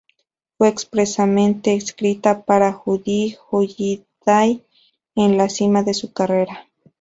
Fue expresamente escrita para Judy Holliday en la cima de su carrera.